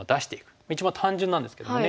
一番単純なんですけどもね。